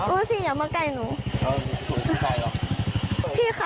อุ้ยทีนี้มันน่ากลัวเหลือเกินค่ะ